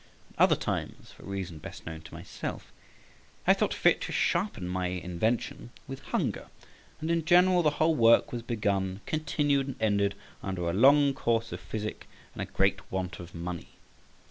At other times (for a reason best known to myself) I thought fit to sharpen my invention with hunger, and in general the whole work was begun, continued, and ended under a long course of physic and a great want of money.